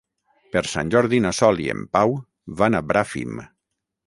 Per Sant Jordi na Sol i en Pau van a Bràfim.